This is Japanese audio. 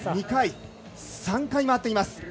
３回回っています。